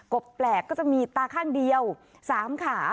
บแปลกก็จะมีตาข้างเดียว๓ขา